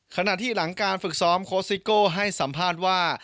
ขณะที่หลังการฝึกซ้อมโค้ชซิโก้ให้สัมภาษณ์ว่า